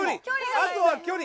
あとは距離。